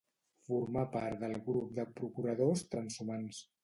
Formà part del grup de procuradors transhumants.